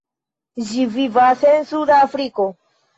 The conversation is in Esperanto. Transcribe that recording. Ĝi vivas en Suda Ameriko.